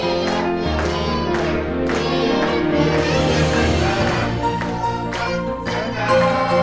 selamat ulang tahun kepada rbr